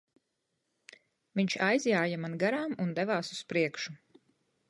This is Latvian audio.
Viņš aizjāja man garām un devās uz priekšu.